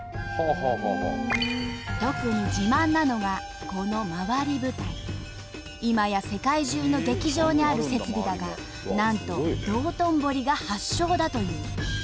特に自慢なのがこの今や世界中の劇場にある設備だがなんと道頓堀が発祥だという。